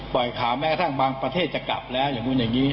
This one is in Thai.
ข่าวแม้กระทั่งบางประเทศจะกลับแล้วอย่างนู้นอย่างนี้